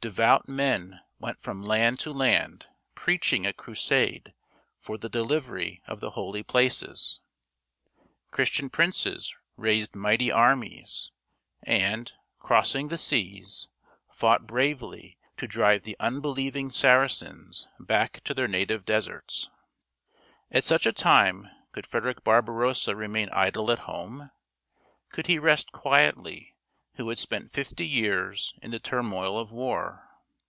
Devout men went from land to land preaching a crusade for the delivery of the holy places. Chris 123 124 THIRTY MORE FAMOUS STORIES tian princes raised mighty armies and, crossing the seas, fought bravely to drive the unbelieving Sara cens back to their native deserts. At such a time could Frederick Barbarossa remain idle at home ? Could he rest quietly who had spent fifty years in the turmoil of war?